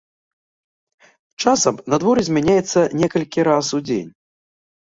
Часам надвор'е змяняецца некалькі раз у дзень.